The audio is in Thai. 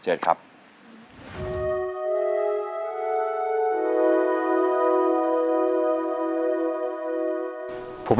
เชิญรับชมค่ะ